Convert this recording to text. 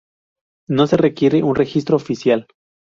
No se requiere un registro oficial.